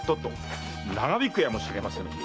長引くやもしれませんので。